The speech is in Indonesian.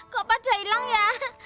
kau pada hilang ya